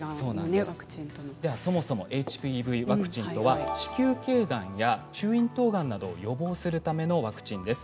そもそもＨＰＶワクチンとは子宮けいがんや中咽頭がんを予防するためのワクチンです。